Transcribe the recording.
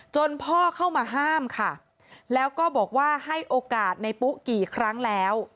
พ่อเข้ามาห้ามค่ะแล้วก็บอกว่าให้โอกาสในปุ๊กี่ครั้งแล้ว